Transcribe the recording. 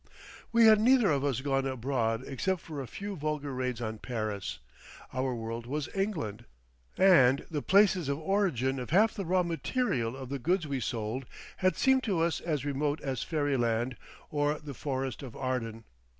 We had neither of us gone abroad except for a few vulgar raids on Paris; our world was England, are the places of origin of half the raw material of the goods we sold had seemed to us as remote as fairyland or the forest of Arden.